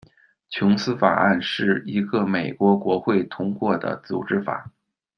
琼斯法案是一个美国国会通过的组织法。